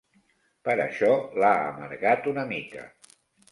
Però això l'ha amargat una mica.